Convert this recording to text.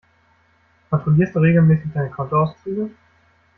Kontrollierst du regelmäßig deine Kontoauszüge?